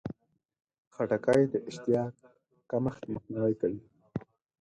خټکی د اشتها کمښت مخنیوی کوي.